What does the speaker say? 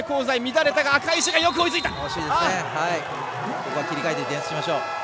ここは切り替えてディフェンスしましょう。